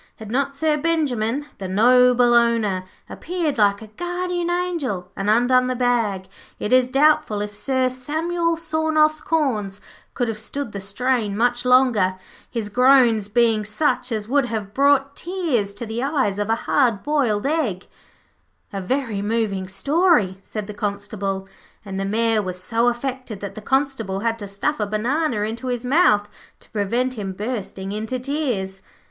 Had not Sir Benjimen, the noble owner, appeared like a guardian angel and undone the bag, it is doubtful if Sir Samuel Sawnoff's corns could have stood the strain much longer, his groans bein' such as would have brought tears to the eyes of a hard boiled egg.' 'A very moving story,' said the Constable, and the Mayor was so affected that the Constable had to stuff a banana into his mouth to prevent him bursting into tears.